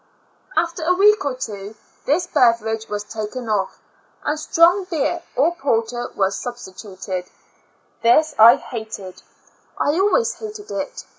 After a week or two this beverage was taken off, and strong beer or porter was substituted; this I hated; I always hated it.